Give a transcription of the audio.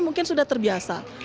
mungkin sudah terbiasa